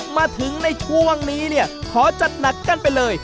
มาถึงในช่วงนี้เนี่ยขอจัดหนักกันไปเลย